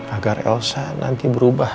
agar elsa nanti berubah